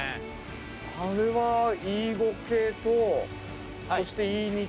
あれはＥ５系とそしてＥ２系Ｅ６系。